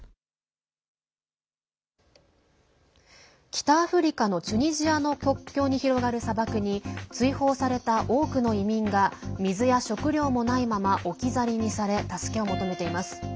北アフリカのチュニジアの国境に広がる砂漠に追放された多くの移民が水や食料もないまま置き去りにされ助けを求めています。